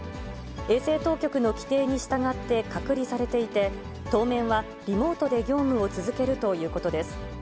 衛生当局の規定に従って隔離されていて、当面はリモートで業務を続けるということです。